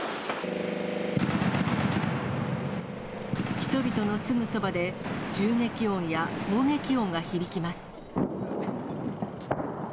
人々のすぐそばで、銃撃音や砲撃音が響きます。